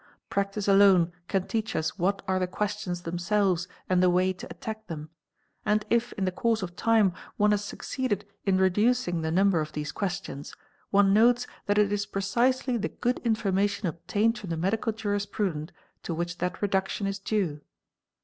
Practice alone can _ teach us what are the questions themselves and the way to attack them : and if in the course of time one has succeeded in reducing the number of these questions, one notes that it is precisely the good information obtained from the medical jurisprudent to which that reduction is due.